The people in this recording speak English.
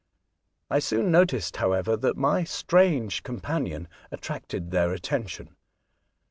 I soon noticed, however, that my strange companion attracted their attention.